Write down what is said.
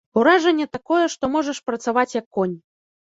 Уражанне такое, што можаш працаваць, як конь.